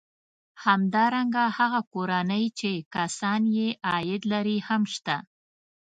همدارنګه هغه کورنۍ چې کسان یې عاید لري هم شته